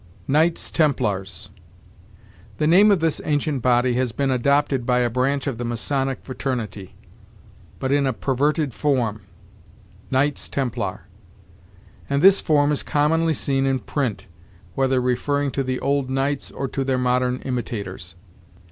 KNIGHTS TEMPLARS. The name of this ancient body has been adopted by a branch of the Masonic fraternity, but in a perverted form Knights Templar; and this form is commonly seen in print, whether referring to the old knights or to their modern imitators.